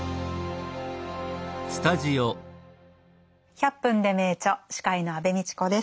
「１００分ｄｅ名著」司会の安部みちこです。